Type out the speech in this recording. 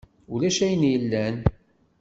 Ulac ayen yellan.